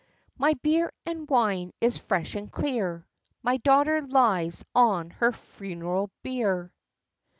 "My beer and wine is fresh and clear. My daughter lies on her funeral bier."